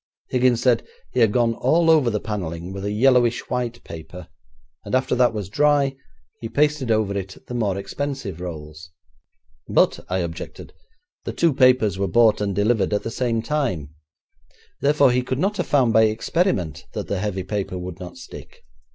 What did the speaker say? Higgins said he had gone all over the panelling with a yellowish white paper, and after that was dry, he pasted over it the more expensive rolls. 'But,' I objected, 'the two papers were bought and delivered at the same time; therefore, he could not have found by experiment that the heavy paper would not stick.'